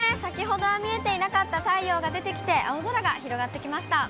東京・汐留、先ほどは見えていなかった太陽が出てきて、青空が広がってきました。